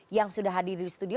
yang sudah hadir di studio